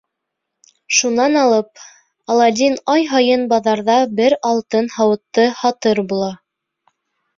Шунан алып, Аладдин ай һайын баҙарҙа бер алтын һауытты һатыр була.